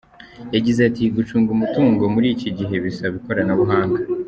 Yagize ati “Gucunga umutungo muri iki gihe bisaba ikoranabuhanga.